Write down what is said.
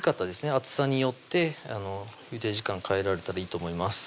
厚さによってゆで時間変えられたらいいと思います